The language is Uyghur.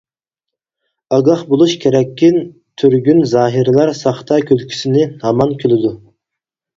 ئاگاھ بولۇش كېرەككىن، تۈرگۈن زاھىرلار ساختا كۈلكىسىنى ھامان كۈلىدۇ.